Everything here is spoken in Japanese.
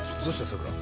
さくら。